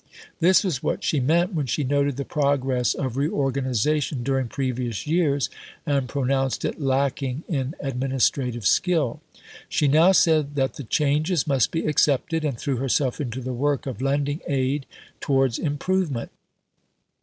This was what she meant when she noted the progress of reorganization during previous years, and pronounced it lacking in administrative skill. She now said that the changes must be accepted, and threw herself into the work of lending aid towards improvement.